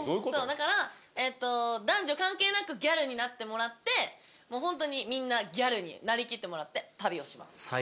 だから男女関係なくギャルになってもらってホントにみんなギャルに成りきってもらって旅をします。